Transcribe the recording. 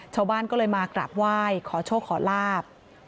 ชาวบ้านก็เลยมากราบไหว้ขอโชคขอลาบ